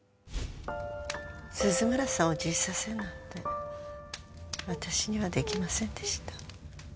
鈴村さんを自首させるなんて私には出来ませんでした。